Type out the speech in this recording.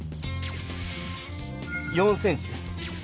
４ｃｍです。